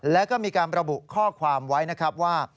แล้วก็มีการระบุข้อความไว้นะครับว่า